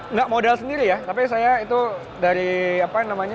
nggak modal sendiri ya tapi saya itu dari apa namanya